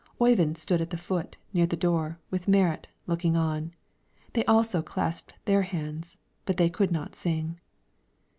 Oyvind stood at the foot, near the door, with Marit, looking on; they also clasped their hands, but they could not sing.